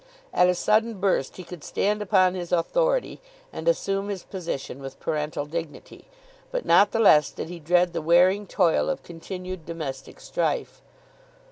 At a sudden burst he could stand upon his authority, and assume his position with parental dignity; but not the less did he dread the wearing toil of continued domestic strife.